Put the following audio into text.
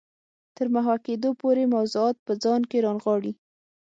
تر محوه کېدو پورې موضوعات په ځان کې رانغاړي.